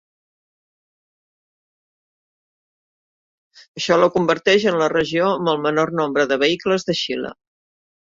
Això la converteix en la regió amb el menor nombre de vehicles de Xile.